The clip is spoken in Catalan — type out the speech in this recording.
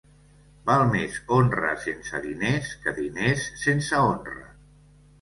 Val més honra sense diners que diners sense honra.